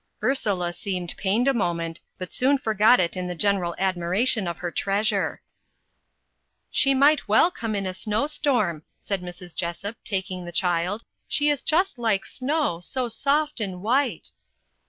Ursula seemed pained a moment, but soon forgot it in the general admiration of her treasure. "She might well come in a snow storm," said Mrs. Jessop, taking the child. "She is just like snow, so soft and white."